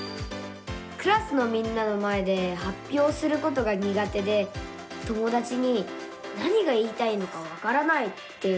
クラスのみんなの前ではっぴょうすることがにが手で友だちに「何が言いたいのかわからない」って言われちゃうんです。